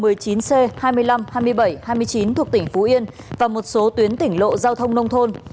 một mươi chín c hai mươi năm hai mươi bảy hai mươi chín thuộc tỉnh phú yên và một số tuyến tỉnh lộ giao thông nông thôn